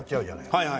はい。